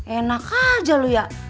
enak aja lu ya